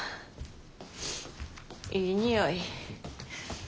いい匂い。